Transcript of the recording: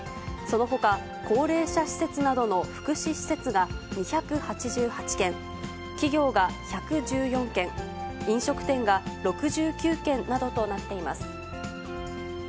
そのほか、高齢者施設などの福祉施設が２８８件、企業が１１４件、飲食店が６９件などとなっています。